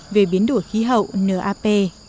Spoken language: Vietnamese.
về biến đổi khí hậu nap